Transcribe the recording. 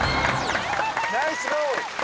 ナイスゴール。